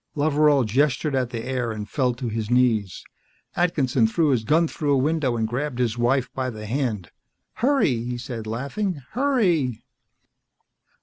Loveral gestured at the air and fell to his knees. Atkinson threw his gun through a window and grabbed his wife by the hand. "Hurry!" he said, laughing. "Hurry!"